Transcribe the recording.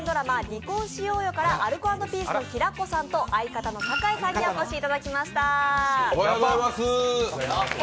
「離婚しようよ」からアルコ＆ピースの平子さんと、相方の酒井さんにお越しいただきました。